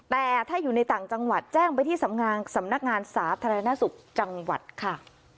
แต่ถ้าอยู่ในต่างจังหวัดแจ้งไปที่สำนักงานสำนักงานสาธารณสุขจังหวัดค่ะ